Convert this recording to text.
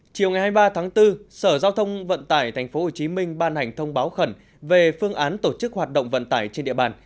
chiều ngày hai mươi ba tháng bốn sở giao thông vận tải tp hcm ban hành thông báo khẩn về phương án tổ chức hoạt động vận tải trên địa bàn